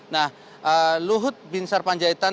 nah luhut binsar panjaitan